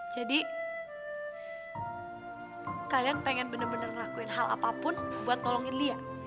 jadi kalian pengen bener bener ngelakuin hal apapun buat nolongin lia